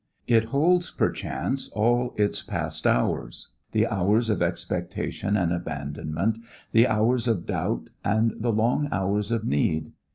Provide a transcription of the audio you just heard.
It holds, perchance, all its past hours, the hours of expectation and abandonment, the hours of doubt and the long hours of need.